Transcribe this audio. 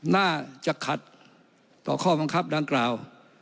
น่าจะขัดต่อข้อบังคับดังกล่าว